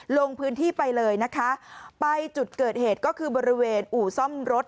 ลงพื้นที่ไปเลยนะคะไปจุดเกิดเหตุก็คือบริเวณอู่ซ่อมรถ